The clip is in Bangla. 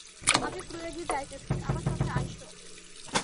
আমি প্রয়াগে যাইতেছি, আমার সঙ্গে আইস।